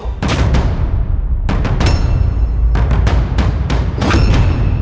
aku akan mengunggurkan ibumu sendiri